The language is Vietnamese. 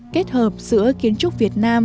kết hợp giữa kiến trúc việt nam